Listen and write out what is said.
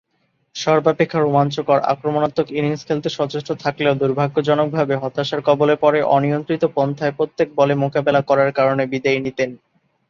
সর্বাপেক্ষা রোমাঞ্চকর, আক্রমণাত্মক ইনিংস খেলতে সচেষ্ট থাকলেও দূর্ভাগ্যজনকভাবে হতাশার কবলে পড়ে অনিয়ন্ত্রিত পন্থায় প্রত্যেক বলে মোকাবেলা করার কারণে বিদেয় নিতেন।